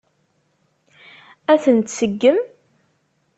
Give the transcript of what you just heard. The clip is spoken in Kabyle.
Ad ten-tseggem?